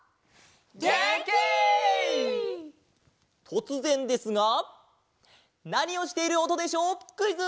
とつぜんですがなにをしているおとでしょうクイズ！